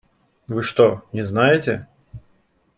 Вы что, не знаете?